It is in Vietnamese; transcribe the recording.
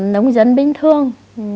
nông dân bình thường